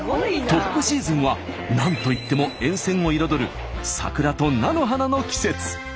トップシーズンは何といっても沿線を彩る桜と菜の花の季節。